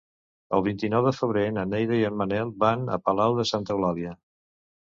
El vint-i-nou de febrer na Neida i en Manel van a Palau de Santa Eulàlia.